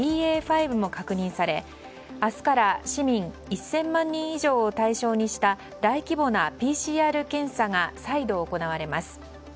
．５も確認され明日から市民１０００万人以上を対象にした大規模なＰＣＲ検査が再度、行われます。